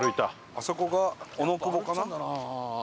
あそこが小野久保かな。